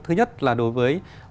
thứ nhất là đối với